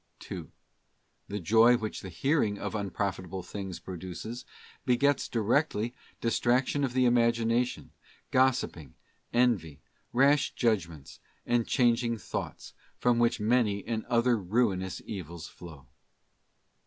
2. The Joy which the hearing of unprofitable ihfogs pro duces, begets directly distraction of the imagination, gossip ing, envy, rash judgments, and changing thoughts, from which many and other ruinous evils flow.